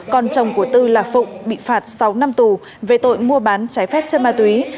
còn chồng của tư là phụng bị phạt sáu năm tù về tội mua bán trái phép chân ma túy